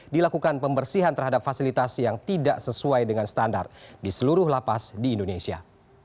dilakukan pembersihan terhadap fasilitas yang tidak sesuai dengan standar di seluruh lapas di indonesia